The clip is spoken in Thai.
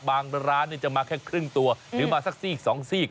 บางร้านจะมาแค่ครึ่งตัวหรือมาสักซีก๒ซีก